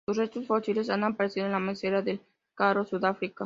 Sus restos fósiles han aparecido en la meseta del Karoo, Sudáfrica.